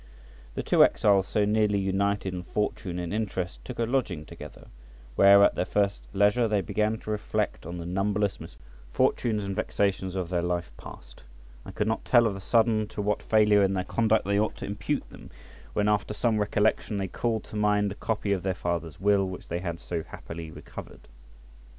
The two exiles so nearly united in fortune and interest took a lodging together, where at their first leisure they began to reflect on the numberless misfortunes and vexations of their life past, and could not tell of the sudden to what failure in their conduct they ought to impute them, when, after some recollection, they called to mind the copy of their father's will which they had so happily recovered.